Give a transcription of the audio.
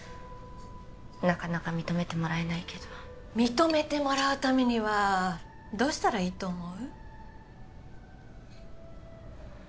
なかなか認めてもらえないけど認めてもらうためにはどうしたらいいと思う？